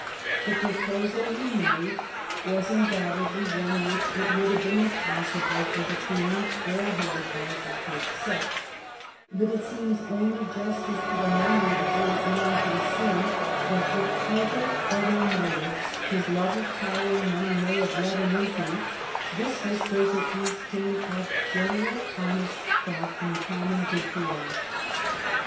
The proposal he made was undoubt edly one which it would have been impossible for the Queen or her advisers to accept^ but it seems only jus tice to the memory of a great man to assume^ that, whatever other errors his love of power and money may have led him into, this mistake at least came of gen eral honest thought and common good to all.